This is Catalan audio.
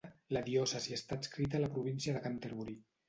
La diòcesi està adscrita a la província de Canterbury.